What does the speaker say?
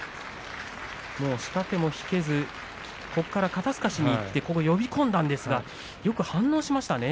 下手も引けず肩すかしにいって呼び込んだんですがよく反応しましたね。